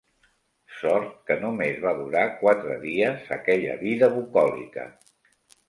Sort que no més va durar quatre dies aquella vida bucòlica